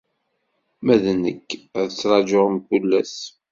Ma d nekk, ad ttraǧuɣ mkul ass.